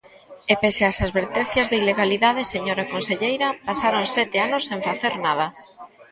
E pese ás advertencias de ilegalidade, señora conselleira, pasaron sete anos sen facer nada.